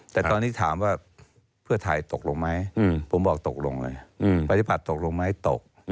แต่ตอนนี้ถามว่าเพื่อไทยตกลงไหมผมบอกตกลงเลยปฏิบัติตกลงไหมตก